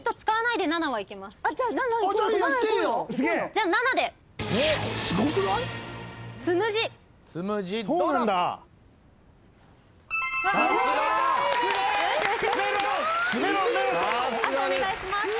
あとお願いします。